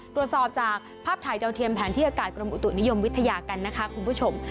ตรวจสอบจากภาพถ่ายดาวเทียมแผนที่อากาศกรมอุตุนิยมวิทยากันนะคะคุณผู้ชม